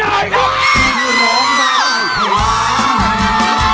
อ้าวเหลือไม่เชื่อ